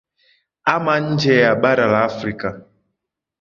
ama nje ya bara la afrika